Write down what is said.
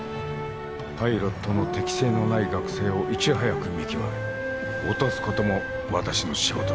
パイロットの適性のない学生をいち早く見極め落とすことも私の仕事だ。